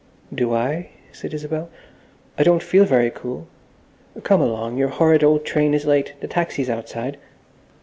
"Do I?" said Isabel. "I don't feel very cool. Come along, your horrid old train is late. The taxi's outside."